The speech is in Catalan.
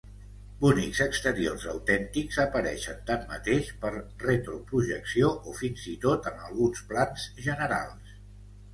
Bonics exteriors autèntics apareixen tanmateix per retroprojecció o fins i tot en alguns plans generals.